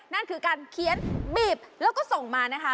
นั่นคือการเขียนบีบแล้วก็ส่งมานะคะ